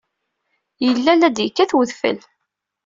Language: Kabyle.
Yella la d-yekkat wedfel.